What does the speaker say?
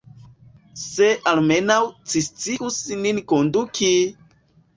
Se almenaŭ ci scius nin konduki!